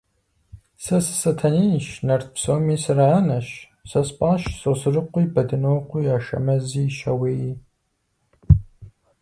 Сэ сы-Сатэнейщ, нарт псоми сыраанэщ; сэ спӀащ Сосрыкъуи, Бадынокъуи, Ашэмэзи, Щауеи.